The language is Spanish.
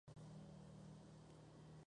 Al timbre, la Corona Real.